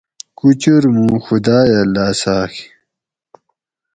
کُچُور موں خدایہ لاۤساۤگ